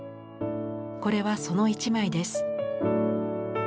これはその一枚です。